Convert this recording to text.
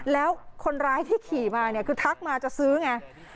แล้วคนร้ายที่ขี่มาเนี่ยคือทักมาจะซื้อไง